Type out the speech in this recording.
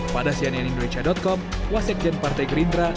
pada cnn indonesia com wasik dan partai gerindra